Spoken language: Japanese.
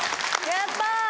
やった！